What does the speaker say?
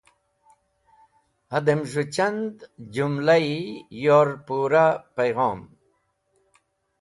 Hẽdẽm z̃hũ chand jũmlayi yor pũra payghom.